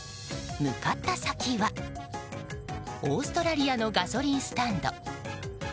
向かった先は、オーストラリアのガソリンスタンド。